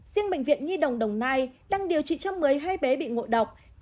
riêng bệnh viện nhi đồng đồng nai đăng điều trị cho mới hai bé bị ngộ độc